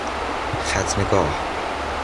ختنه گاه